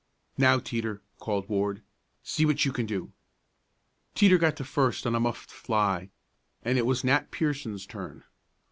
"Now, Teeter!" called Ward. "See what you can do." Teeter got to first on a muffed fly, and it was Nat Pierson's turn.